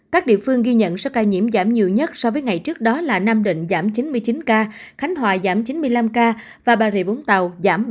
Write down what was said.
các địa phương ghi nhận số ca nhiễm giảm nhiều nhất so với ngày trước đó là nam định giảm chín mươi chín ca khánh hòa giảm chín mươi năm ca và bà rịa bốn tàu